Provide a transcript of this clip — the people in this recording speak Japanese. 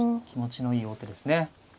気持ちのいい王手ですね。